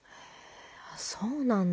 あそうなんだ。